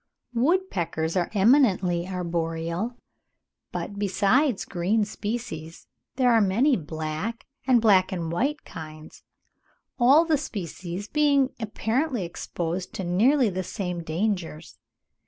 Woodpeckers are eminently arboreal, but besides green species, there are many black, and black and white kinds—all the species being apparently exposed to nearly the same dangers.